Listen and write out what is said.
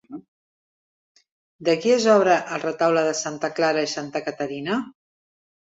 De qui és obra el Retaule de Santa Clara i Santa Caterina?